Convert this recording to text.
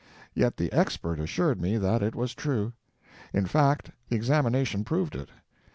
Yet the Expert assured me that it was true; in fact, the examination proved it.